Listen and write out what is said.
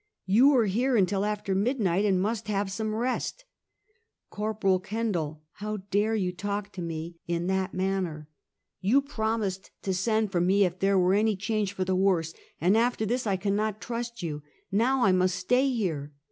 " You were here until after midnight, and must have some rest. "" Corporal Kendall, how dare you talk to me in that FiKST Case of Geowing a 'Naw Bone. 285 manner? You promised to send for me if there were any cliange for the worse; and after this I cannot trust you. ISTow I must stay here.